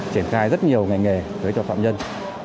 triển khai rất nhiều ngành nghề thuế cho phạm nhân